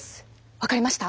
分かりました？